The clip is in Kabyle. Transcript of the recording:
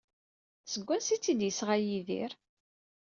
Seg wansi ay tt-id-yesɣa Yidir?